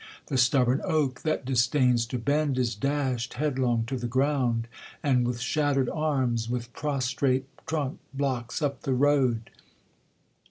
The stubborn oak, that disdains to bend, is dashed head long to the ground ; and, with shattered arms, with prostrate trunk, blocks up the road.